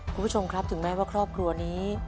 คุณผู้ชมครับถึงแม้ว่าครอบครัวนี้